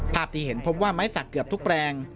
ภาพที่เห็นพบว่าไม้สักเกือบทุกแปลง